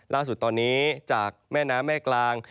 ล่าสุดตอนนี้จากแม่น้ำแม่กลาง